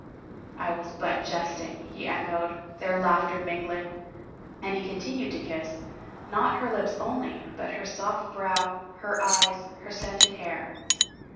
" I was but jesting," he echoed, their laughter min gling, and he continued to kiss, not her lips only, but her soft brow, her eyes, her scented hair.